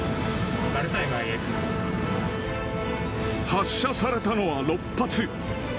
発射されたのは６発。